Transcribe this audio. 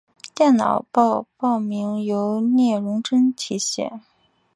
电脑报报名由聂荣臻题写。